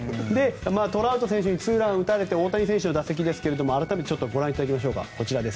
トラウト選手にツーランを打たれて大谷選手の打席ですが改めてご覧いただきましょう。